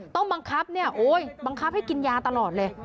ต้องบังคับเนี่ยโอ๊ยบังคับให้กินยาตลอดเลย